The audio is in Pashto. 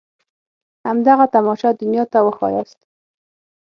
همدغه تماشه دنيا ته وښاياست.